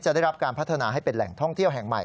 ได้รับการพัฒนาให้เป็นแหล่งท่องเที่ยวแห่งใหม่